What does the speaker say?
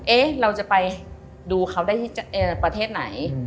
เราจะไปดูเขาได้ที่ประเทศไหน